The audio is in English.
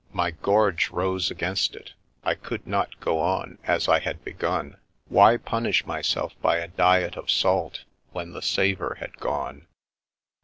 My gorge rose against it. I could not go on as I had begun. Why punish myself by a diet of salt when the savour had gone